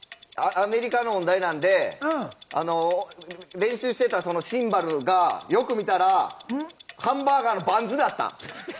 アメリカの音大なので、練習していたシンバルが、よく見たら、ハンバーガーのバンズだった。